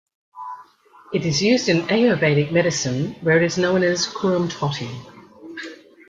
It is used in Ayurvedic medicine, where it is known as kurumthotti.